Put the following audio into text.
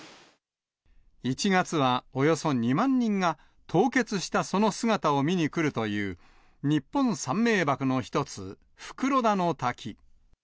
１月は、およそ２万人が凍結したその姿を見に来るという、日本三名ばくの一つ、袋田の滝。